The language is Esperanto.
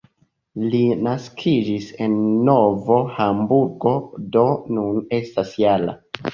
Li naskiĝis en Novo Hamburgo, do nun estas -jara.